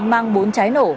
mang bốn trái nổ